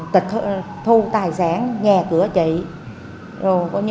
nạn nhân đã thôn tạm giam vốn tạm giam vốn